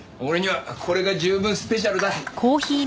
俺にはこれが十分スペシャルだ。